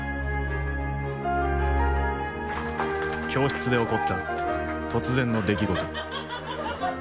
教室で起こった突然の出来事。